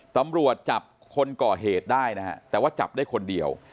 ตำรวจจับคนก่อเหตุได้นะฮะแต่ว่าจับได้คนเดียว